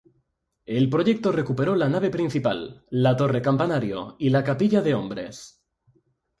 El proyecto recuperó la nave principal, la torre campanario y la capilla de hombres.